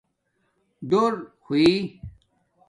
ڈور ہوئ